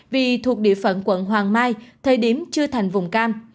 vì thuộc địa phận quận hoàng mai thời điểm chưa thành vùng cam